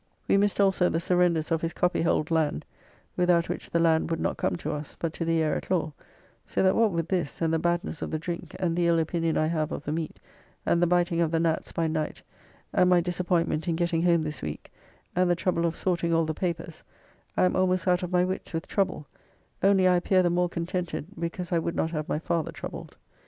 We missed also the surrenders of his copyhold land, without which the land would not come to us, but to the heir at law, so that what with this, and the badness of the drink and the ill opinion I have of the meat, and the biting of the gnats by night and my disappointment in getting home this week, and the trouble of sorting all the papers, I am almost out of my wits with trouble, only I appear the more contented, because I would not have my father troubled.